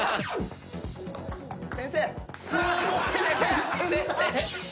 先生！